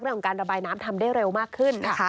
เรื่องการระบายน้ำทำได้เร็วมากขึ้น